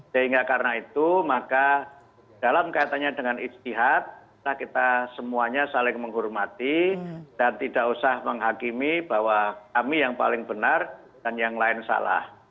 sehingga karena itu maka dalam kaitannya dengan istihad kita semuanya saling menghormati dan tidak usah menghakimi bahwa kami yang paling benar dan yang lain salah